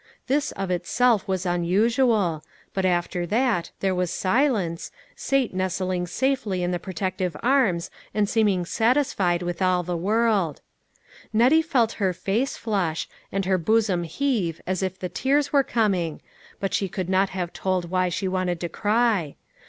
This of itself was unusual, but after that, there was silence, Sate nestling safely in the protective arms and seeming satisfied with all the world. Nettie felt her face flush, and her bosom heave as if the tears were coming, but she could not have told why she wanted to cry THE WAY MADE PLAHf.